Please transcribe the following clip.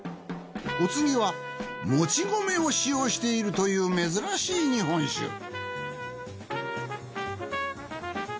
お次はもち米を使用しているという珍しい日本酒。